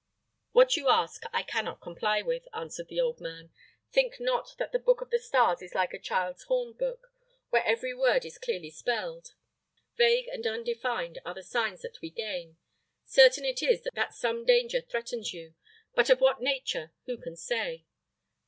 "What you ask I cannot comply with," answered the old man. "Think not that the book of the stars is like a child's horn book, where every word is clearly spelled. Vague and undefined are the signs that we gain. Certain it is, that some danger threatens you; but of what nature, who can say?